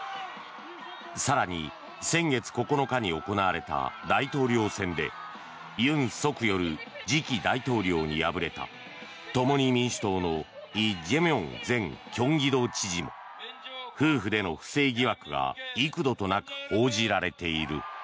更に、先月９日に行われた大統領選で尹錫悦次期大統領に敗れた共に民主党のイ・ジェミョン前京畿道知事も夫婦での不正疑惑が幾度となく報じられている。